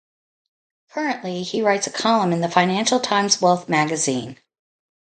Currently, he writes a column in the Financial Times Wealth magazine.